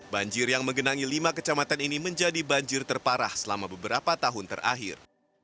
banjir yang menggenangi lima kecamatan ini menjadi banjir terparah selama beberapa tahun terakhir